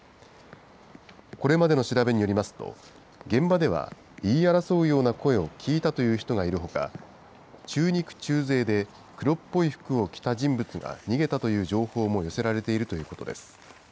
これまでの調べによりますと、現場では言い争うような声を聞いたという人がいるほか、中肉中背で、黒っぽい服を着た人物が逃げたという情報も寄せられているということです。